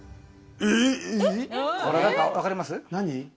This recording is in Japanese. これ何か分かります？